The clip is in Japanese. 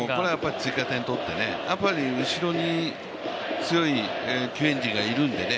追加点をとって、後ろに強い救援陣がいるんでね。